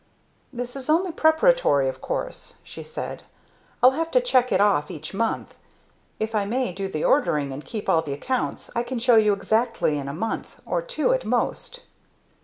"This is only preparatory, of course," she said. "I'll have to check it off each month. If I may do the ordering and keep all the accounts I can show you exactly in a month, or two at most."